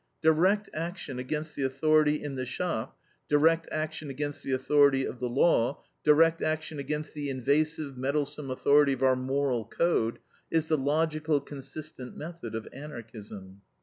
Direct action against the authority in the shop, direct action against the authority of the law, direct action against the invasive, meddlesome authority of our moral code, is the logical, consistent method of Anarchism.